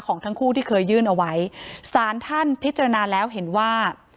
ของทั้งคู่ที่เคยยื่นเอาไว้สารท่านพิจารณาแล้วเห็นว่า